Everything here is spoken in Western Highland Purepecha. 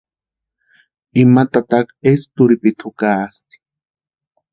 Ima tataka eskwa turhipiti jukaasti.